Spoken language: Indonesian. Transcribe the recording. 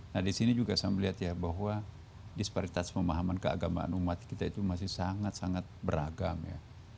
nah di sini juga saya melihat ya bahwa disparitas pemahaman keagamaan umat kita itu masih sangat sangat beragam ya